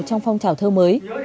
trong phong trào thơ mới